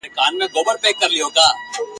ساقي تش لاسونه ګرځي پیمانه هغسي نه ده !.